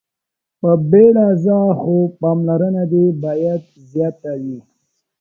په بيړه ځه خو پاملرنه دې باید زياته وي.